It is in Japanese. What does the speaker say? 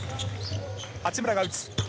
八村が打つ。